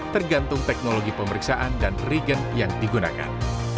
tergantung teknologi pemeriksaan dan regen yang digunakan